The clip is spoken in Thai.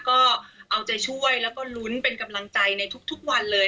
ก็เอาใจช่วยแล้วก็ลุ้นเป็นกำลังใจในทุกวันเลย